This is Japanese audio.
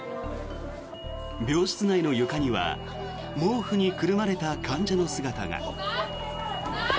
病室内の床には毛布にくるまれた患者の姿が。